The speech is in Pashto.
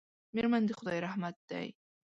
میرمن د خدای رحمت دی.